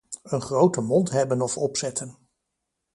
Een grote mond hebben of opzetten.